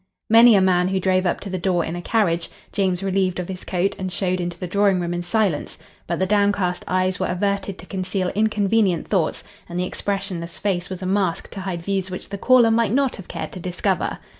Many a man who drove up to the door in a carriage, James relieved of his coat and showed into the drawing room in silence; but the downcast eyes were averted to conceal inconvenient thoughts and the expressionless face was a mask to hide views which the caller might not have cared to discover.